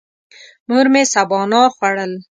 مور مې سبانار خوړل.